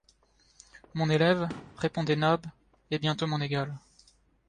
Mon élève, répondait Nab, et bientôt mon égal